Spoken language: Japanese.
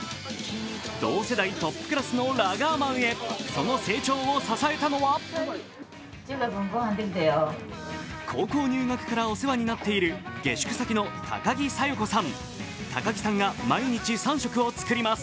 同世代トップクラスのラガーマンへその成長を支えたのは高校入学からお世話になっている下宿先の高木佐代子さん。